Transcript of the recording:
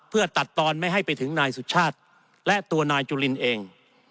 เพื่อตัดตอนไม่ให้ไปถึงนายสุชาติและตัวนายจุลินเอง